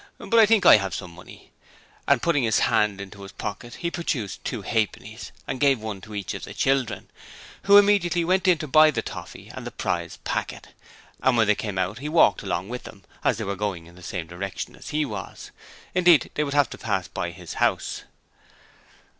'But I think I have some money,' and putting his hand into his pocket he produced two halfpennies and gave one to each of the children, who immediately went in to buy the toffee and the prize packet, and when they came out he walked along with them, as they were going in the same direction as he was: indeed, they would have to pass by his house.